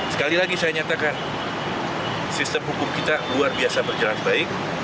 sekali lagi saya nyatakan sistem hukum kita luar biasa berjalan baik